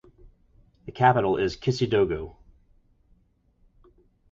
The capital is Kissidougou.